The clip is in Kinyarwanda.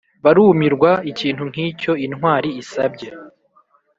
barumirwa ikintu nkicyo intwari isabye.